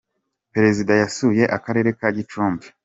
perezida yasuye akarere ka gicumbi.